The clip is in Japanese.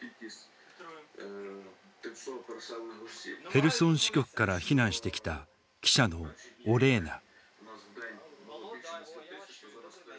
ヘルソン支局から避難してきた記者のオレーナ。